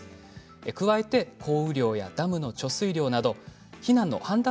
加えて降雨量やダムの貯水量など避難の判断